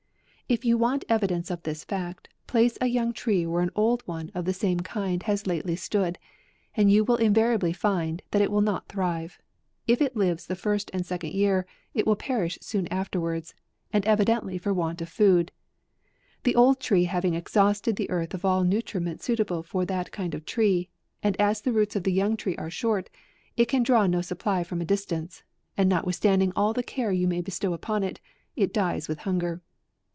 If you want evidence of this fact, place a young tree where an old one of the same kind has lately stood, and you will invariably find, that it will not thrive ; if it lives the first and second year, it will perish soon afterwards, and evidently for want of food. The old tree having exhausted the earth of all nutriment suitable for that kind of tree, and as the rooti of the young tree are short, it can draw no AUGUST. 165 supply from a distance, and notwithstanding all the care you may bestow upon it, it dies with hunger.